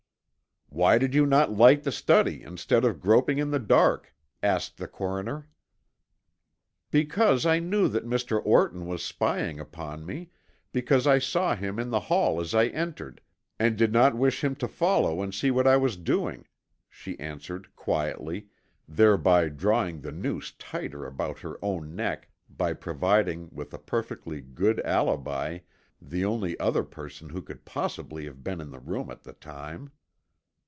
"Why did you not light the study instead of groping in the dark?" asked the coroner. "Because I knew that Mr. Orton was spying upon me, because I saw him in the hall as I entered, and did not wish him to follow and see what I was doing," she answered quietly, thereby drawing the noose tighter about her own neck by providing with a perfectly good alibi the only other person who could possibly have been in the room at the time!